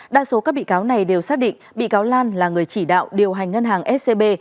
đa số các bị cáo này đều xác định bị cáo lan là người chỉ đạo điều hành ngân hàng scb